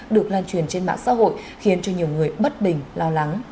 được lan truyền trên mạng xã hội khiến cho nhiều người bất bình lo lắng